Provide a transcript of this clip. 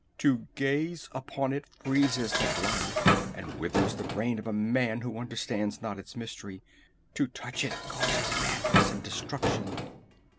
To gaze upon it freezes the blood and withers the brain of a man who understands not its mystery. To touch it causes madness and destruction."